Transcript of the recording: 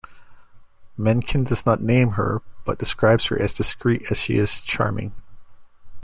Mencken does not name her but describes her as discreet as she is charming.